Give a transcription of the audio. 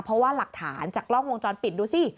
เพราะว่าหลักฐานจากกล้องวงจรปิดดูสิ